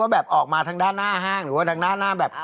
แบบออกมาทางด้านหน้าห้างหรือว่าทางด้านหน้าแบบ